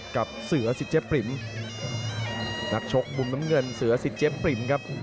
กับเสือสิทธิ์เต็มปิมนักชกมุมน้ำเงินเสือสิทธิ์เต็มปิมครับ